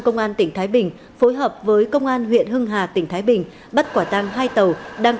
công an tỉnh thái bình phối hợp với công an huyện hưng hà tỉnh thái bình bắt quả tang hai tàu đang